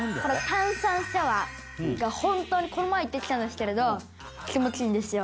「炭酸シャワーが本当にこの前行ってきたんですけれど気持ちいいんですよ」